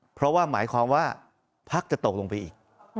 เพราะว่าหมายความว่าพักจะตกลงไปอีก